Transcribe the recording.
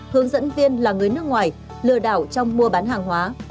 hướng dẫn viên là người nước ngoài lừa đảo trong mua bán hàng hóa